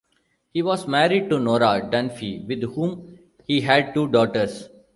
He was married to Nora Dunfee, with whom he had two daughters.